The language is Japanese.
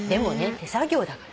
手作りだから。